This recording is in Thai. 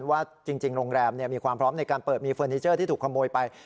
ว่าจริงโรงแรมมีความพร้อมในการเปิดมีเฟอร์นิเจอร์ที่ถูกขโมยไป